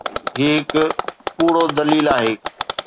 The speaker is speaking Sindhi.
هي هڪ ڪوڙو دليل آهي.